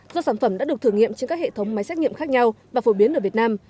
do sản phẩm đã được thử nghiệm trên các hệ thống máy xét nghiệm khác nhau và phổ biến ở việt nam